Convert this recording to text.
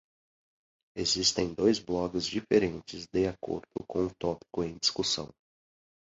Existem dois blogs diferentes de acordo com o tópico em discussão.